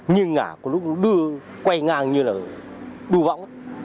nhưng ngả có lúc đưa quay ngang như là đu võng